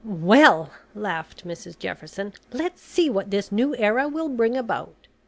"Well," laughed Mrs Jefferson, "let's see what this new era will bring about.